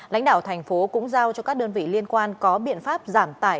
lãnh đạo thành phố cũng giao cho các đơn vị liên quan có biện pháp giảm tải